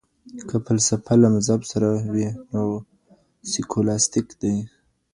که فلسفه له مذهب سره وي نو سکولاستيک دی.